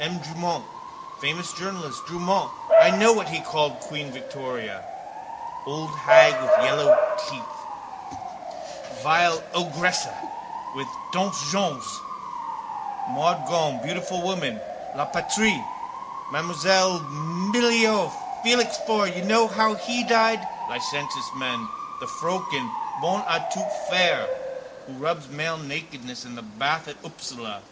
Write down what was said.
M. Drumont, famous journalist, Drumont, know what he called queen Victoria? Old hag with the yellow teeth. Vieille ogresse with the dents jaunes. Maud Gonne, beautiful woman, La Patrie, M. Millevoye, Félix Faure, know how he died? Licentious men. The froeken, bonne à tout faire, who rubs male nakedness in the bath at Upsala.